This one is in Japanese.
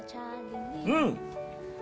うん！